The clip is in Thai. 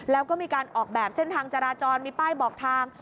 แล้วก็มีการออกแบบเส้นทางจราจรมีป้ายบอกทาง